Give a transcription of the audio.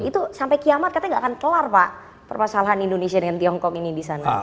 itu sampai kiamat katanya gak akan selesai pak permasalahan indonesia dengan tiongkok ini disana